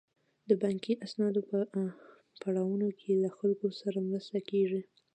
د بانکي اسنادو په پړاوونو کې له خلکو سره مرسته کیږي.